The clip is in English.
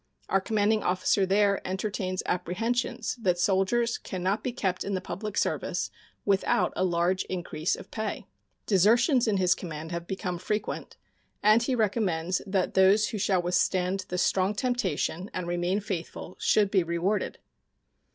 Our commanding officer there entertains apprehensions that soldiers can not be kept in the public service without a large increase of pay. Desertions in his command have become frequent, and he recommends that those who shall withstand the strong temptation and remain faithful should be rewarded.